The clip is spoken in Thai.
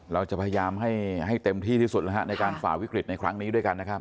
เราจะพยายามให้เต็มที่ที่สุดในการฝ่าวิกฤตในครั้งนี้ด้วยกันนะครับ